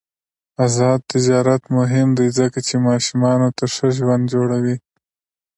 آزاد تجارت مهم دی ځکه چې ماشومانو ته ښه ژوند جوړوي.